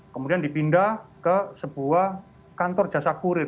kemudian dipindah ke sebuah kantor jasa kurir